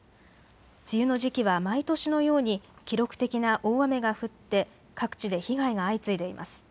梅雨の時期は毎年のように記録的な大雨が降って各地で被害が相次いでいます。